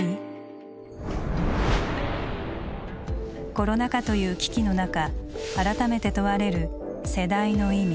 コロナ禍という危機の中改めて問われる「世代」の意味。